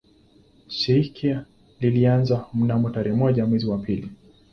Shirika lilianzishwa mnamo tarehe moja mwezi wa pili